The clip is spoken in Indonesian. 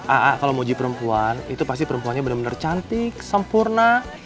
a a kalau mau uji perempuan itu pasti perempuannya bener bener cantik sempurna